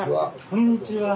こんにちは。